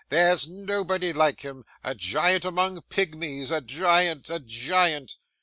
There's nobody like him. A giant among pigmies, a giant, a giant!